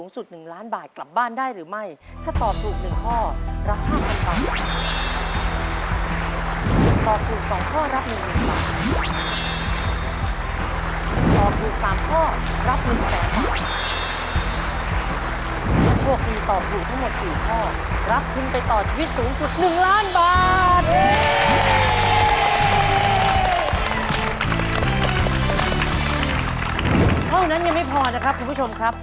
เท่านั้นยังไม่พอนะครับคุณผู้ชมครับ